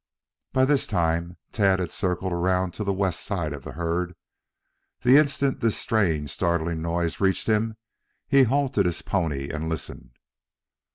By this time Tad had circled around to the west side of the herd. The instant this strange, startling noise reached him he halted his pony and listened.